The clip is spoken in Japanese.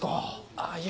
あぁいや。